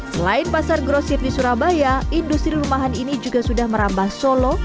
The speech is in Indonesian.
selain pasar grosit di surabaya industri rumahan ini juga sudah merambah solo